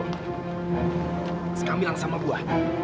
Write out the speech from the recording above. kasih camilla sama gua